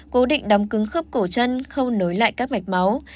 cố định đóng cứng khớp cổ chân khâu nối lại các mạch máu